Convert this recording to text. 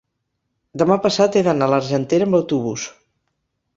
demà passat he d'anar a l'Argentera amb autobús.